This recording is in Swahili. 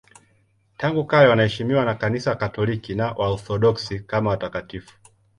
Tangu kale wanaheshimiwa na Kanisa Katoliki na Waorthodoksi kama watakatifu.